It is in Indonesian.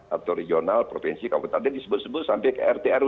atau regional provinsi kompetensi disebut sebut sampai ke rtrw